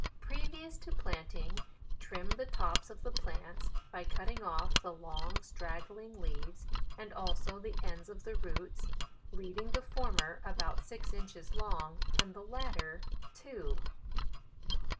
" Previous to planting, trim the tops of the plants, by cutting offthe long stiaggling leaves, and also the ends of the roots, leaving the for mer about six inches long, and the latter two.